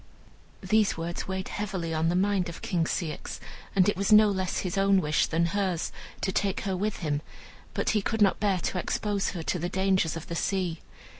These words weighed heavily on the mind of King Ceyx, and it was no less his own wish than hers to take her with him, but he could not bear to expose her to the dangers of the sea.